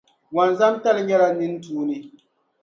Wɔnzamtali nyɛ la nini tuuni.